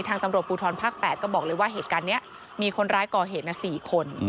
ตำรวจภูทรภาค๘ก็บอกเลยว่าเหตุการณ์นี้มีคนร้ายก่อเหตุ๔คน